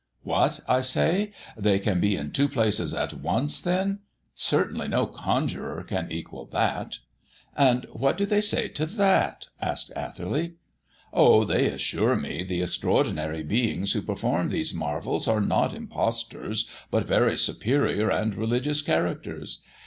'What!' I say. 'They can be in two places at once, then! Certainly no conjurer can equal that!'" "And what do they say to that?" asked Atherley. "Oh, they assure me the extraordinary beings who perform these marvels are not impostors, but very superior and religious characters.